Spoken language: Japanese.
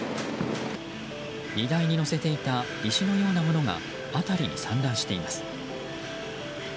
荷台に載せていた石のようなものが辺りに散乱しています。